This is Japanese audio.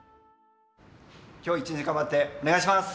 今日一日頑張ってお願いします！